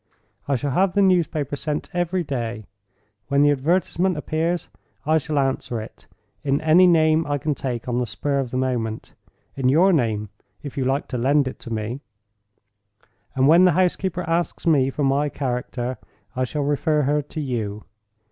I shall have the newspaper sent every day. When the advertisement appears, I shall answer it—in any name I can take on the spur of the moment; in your name, if you like to lend it to me; and when the housekeeper asks me for my character, I shall refer her to you.